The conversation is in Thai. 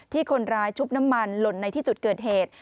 ที่คนร้ายชุบน้ำมันหล่นในที่จุดเกิดเหตุ